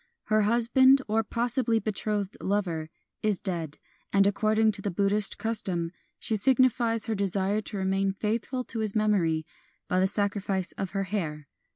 Her hus band, or possibly betrothed lover, is dead ; and, according to the Buddhist custom, she signifies her desire to remain faithful to his memory by the sacrifice of her hair.